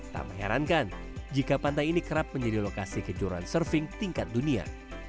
tak mengherankan jika pantai ini kerap menjadi lokasi kejuaraan surfing tingkat dunia